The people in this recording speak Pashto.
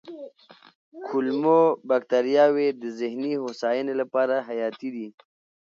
کولمو بکتریاوې د ذهني هوساینې لپاره حیاتي دي.